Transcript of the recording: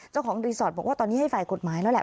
เจ้าของรีสอร์ทบอกว่าตอนนี้ให้ฝ่ายกฎหมายแล้วแหละ